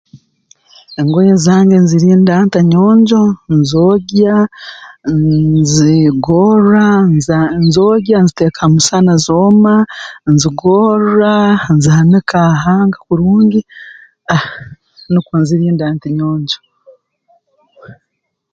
Engoye zange nzirinda nta nyonjo nzogya mmnzigorra nza nzoogya nziteeka ha musana zooma nzigorra nzihanika ha hanga kurungi ah nukwo nzirinda nti nyonjo